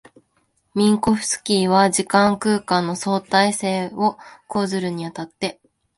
ミンコフスキーは時間空間の相対性を講ずるに当たって、